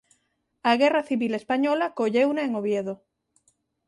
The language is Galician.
A guerra civil española colleuna en Oviedo.